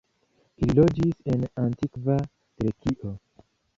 Ili loĝis en Antikva Grekio.